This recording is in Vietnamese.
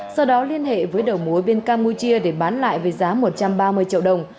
sau đó liên hệ với đầu mối bên campuchia để bán lại với giá một trăm ba mươi triệu đồng